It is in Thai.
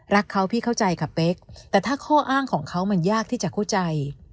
รักเขาพี่เข้าใจกับเป๊กแต่ถ้าข้ออ้างของเขามันยากที่จะเข้าใจ